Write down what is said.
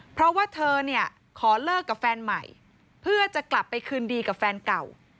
เพราะว่าเธอเนี่ยขอเลิกกับแฟนใหม่เพื่อจะกลับไปคืนดีกับแฟนเก่า